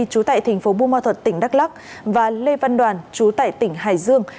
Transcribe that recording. chú tại tp bùi ma thuật tỉnh đắk lắc và lê văn đoàn chú tại tỉnh hải dương